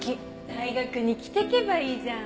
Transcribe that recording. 大学に着てけばいいじゃん。